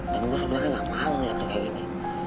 dan gue sebenernya gak mau ngeliat lo kayak gini